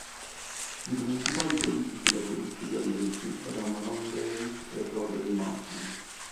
I principali politici laburisti gallesi erano Ron Davies e Rhodri Morgan.